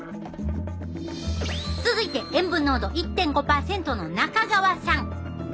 続いて塩分濃度１．５％の中川さん。